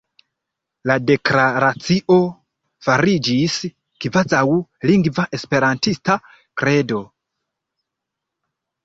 La Deklaracio fariĝis kvazaŭ lingva esperantista "Kredo".